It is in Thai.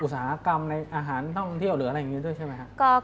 อุตสาหกรรมในอาหารท่องเที่ยวหรืออะไรอย่างนี้ด้วยใช่ไหมครับ